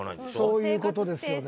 そういう事ですよね。